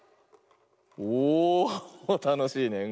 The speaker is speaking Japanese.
おたのしいねうん。